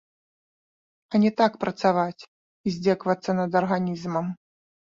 А не так працаваць і здзекавацца над арганізмам.